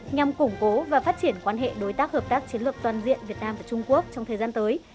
nhằm củng cố và phát triển quan hệ đối tác hợp tác chiến lược toàn diện việt nam và trung quốc trong thời gian tới